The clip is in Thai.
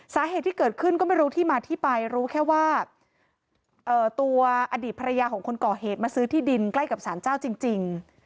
สาเหตุที่เกิดขึ้นก็ไม่รู้ที่มาที่ไปรู้แค่ว่าตัวอดีตภรรยาของคนก่อเหตุมาซื้อที่ดินใกล้กับสารเจ้าจริง